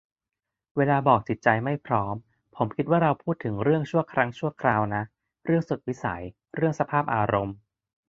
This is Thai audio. เวลาบอก "จิตใจไม่พร้อม" ผมคิดว่าเราพูดถึงเรื่องชั่วครั้งชั่วคราวนะ เรื่องสุดวิสัย เรื่องสภาพอารมณ์